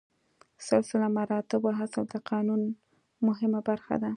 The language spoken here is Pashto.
سلسله مراتبو اصل د قانون مهمه برخه ده.